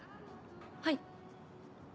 はい。